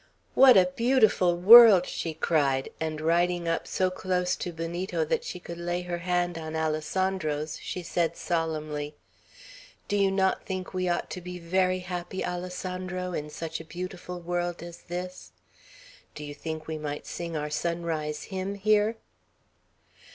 "What a beautiful world!" she cried; and riding up so close to Benito that she could lay her hand on Alessandro's, she said solemnly: "Do you not think we ought to be very happy, Alessandro, in such a beautiful world as this? Do you think we might sing our sunrise hymn here?"